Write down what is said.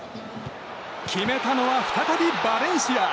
決めたのは再びバレンシア。